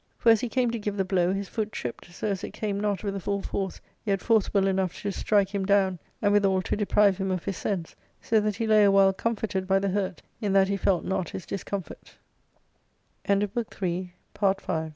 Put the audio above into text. ITor, as he came to give the blow, "his foot tripped, so as it came not with the full force, yet forcible enough to strike him down, and withal to deprive him of his sense, so that he lay a while comforted by the hurt in that he felt not his discomfort 346 ARC